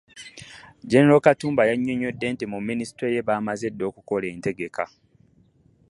Jjenero Katumba yannyonnyodde nti mu Minisitule ye baamaze dda okukola entegeka